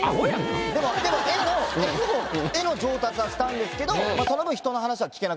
でも絵の絵の上達はしたんですけどそういう事やな。